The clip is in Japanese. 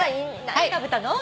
何食べたの？